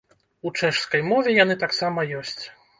У чэшскай мове яны таксама ёсць.